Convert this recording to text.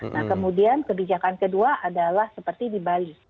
nah kemudian kebijakan kedua adalah seperti di bali